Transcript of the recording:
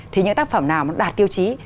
thì những tác phẩm nào đạt tiêu chí